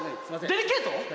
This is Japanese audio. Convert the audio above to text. デリケート？